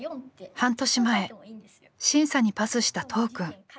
半年前審査にパスした都央くん。